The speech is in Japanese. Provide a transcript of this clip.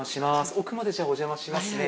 奥までじゃあおじゃましますね。